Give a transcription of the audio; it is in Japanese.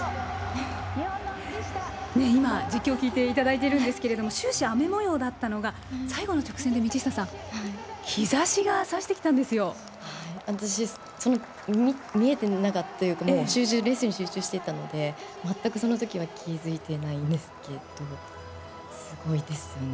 今、実況聞いていただいているんですけれども、終始雨もようだったのが、最後の直線で道下さん、日ざしがさして私、見えてなかったというか、レースに集中していたので、全くそのときは気付いてないですけど、すごいですよね。